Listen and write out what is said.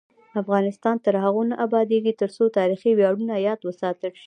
افغانستان تر هغو نه ابادیږي، ترڅو تاریخي ویاړونه یاد وساتل شي.